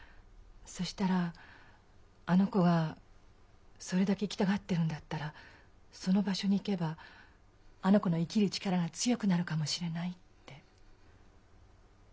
そしたら「あの子がそれだけ行きたがってるんだったらその場所に行けばあの子の生きる力が強くなるかもしれない」って。